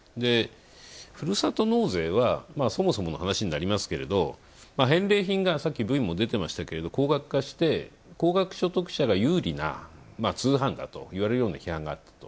ふるさと納税は、そもそもの話になりますけれど返礼品がさっきＶにも出てましたけど高額化して、高額所得者が有利な通販だといわれるような批判があったと。